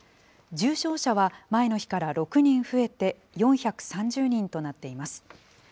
重症者は前の日から６人増えて、４３０人となっています。